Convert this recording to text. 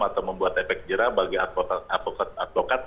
atau membuat efek jerah bagi advokat